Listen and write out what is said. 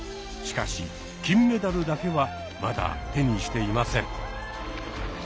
しかし金メダルだけはまだ手にしていません。